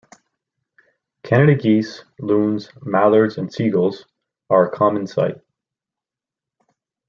Canada geese, loons, mallards and seagulls are a common sight.